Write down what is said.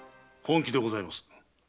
本気でございます。